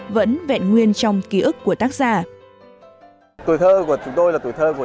vẫn vẹn nguyên trong ký ức của tác gia